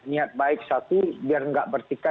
niat baik satu biar enggak bertika